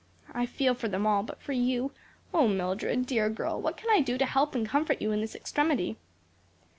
I feel for them all; but for you O, Mildred, dear girl, what can I do to help and comfort you in this extremity?"